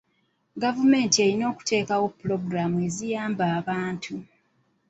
Gavumenti erina okuteekawo pulogulaamu eziyamba abanaku.